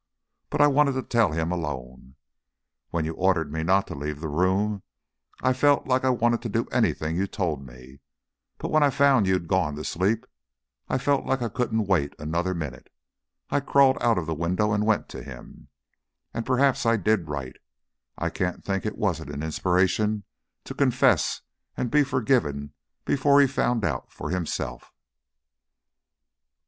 But I wanted to tell him alone. When you ordered me not to leave the room, I felt like I wanted to do anything you told me, but when I found you'd gone to sleep, I felt like I couldn't wait another minute. I crawled out of the window and went to him. And perhaps I did right. I can't think it wasn't an inspiration to confess and be forgiven before he found out for himself."